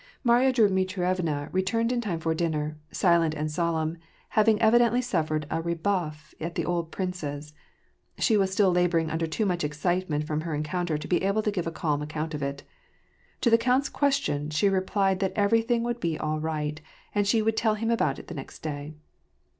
Marya Dmitrievna returned in time for dinner, silent and solemn, having evidently suffered a rebuff at the old prince's. She was still laboring under too much excitement from her encounter to be able to give a calm account of it. To the count's question, she replied that everything would be all right, and she would tell him about it the next day.